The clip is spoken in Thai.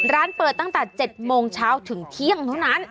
ร้านเปิดตั้งแต่๗โมงเช้าถึงเที่ยงเท่านั้น